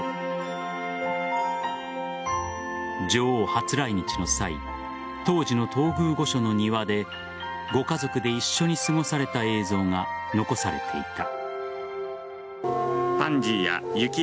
初来日の際当時の東宮御所の庭でご家族で一緒に過ごされた映像が残されていた。